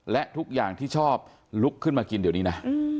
และทุกอย่างที่ชอบลุกขึ้นมากินเดี๋ยวนี้นะ